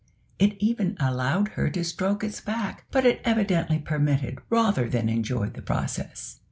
It even allowed her to stroke its back, but it evidently permitted rather than enjoyed the process.